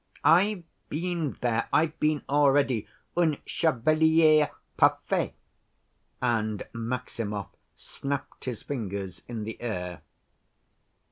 "I've been there. I've been already; un chevalier parfait," and Maximov snapped his fingers in the air.